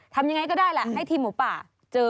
ทำยังไงก็ได้แหละให้ทีมหมูป่าเจอ